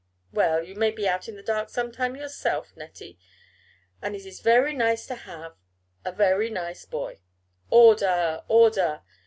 "Well, you may be out in the dark some time yourself, Nettie, and it is very nice to have " "A very nice boy " "Order! Order!"